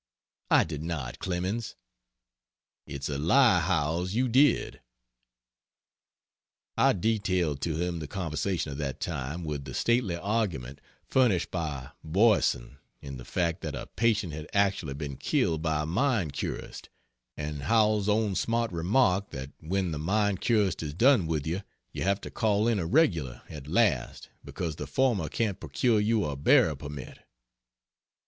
"I did not, Clemens." "It's a lie, Howells, you did." I detailed to him the conversation of that time with the stately argument furnished by Boyesen in the fact that a patient had actually been killed by a mind curist; and Howells's own smart remark that when the mind curist is done with you, you have to call in a "regular" at last because the former can't procure you a burial permit.